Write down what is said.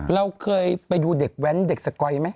เราเคยไปดูเด็กแว้นเด็กสกอยไหม